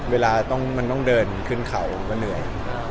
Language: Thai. เราก็ถามอะไรเรียกเปลือกอยู่เนี่ย